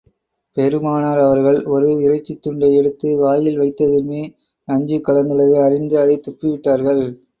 பெருமானார் அவர்கள் ஒரு இறைச்சித் துண்டை எடுத்து வாயில் வைத்ததுமே, நஞ்சு கலந்துள்ளதை அறிந்து, அதைத் துப்பி விட்டார்கள்.